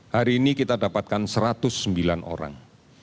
hari ini kita dapatkan satu ratus sembilan orang